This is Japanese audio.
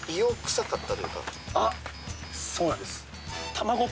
あっそうなんです。